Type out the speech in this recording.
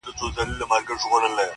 له جانانه مي ګيله ده،